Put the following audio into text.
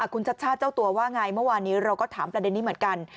คุณชัชชาติเจ้าตัวว่าไงเมื่อวานนี้เราก็ถามประเด็นนี้เหมือนกัน